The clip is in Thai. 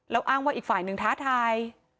แล้วอ้างว่าอีกฝ่ายหนึ่งท้าทาย